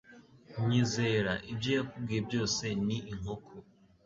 Nyizera, ibyo yakubwiye byose ni inkoko